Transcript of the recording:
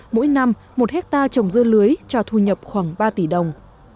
mỗi năm một hectare trồng dưa lưới cho thu nhập khoảng ba tỷ đồng